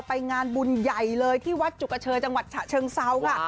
ไปงานบุญใหญ่เลยที่วัดจุกเชยจังหวัดฉะเชิงเซาค่ะ